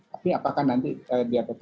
tapi apakah nanti diabetes itu